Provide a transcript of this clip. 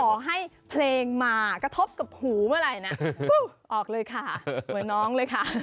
ขอให้เพลงมากระทบกับหูเมื่อไหร่นะปุ๊บออกเลยค่ะเหมือนน้องเลยค่ะ